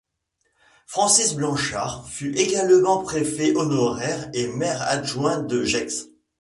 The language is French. Francis Blanchard fut également préfet honoraire et maire adjoint de Gex.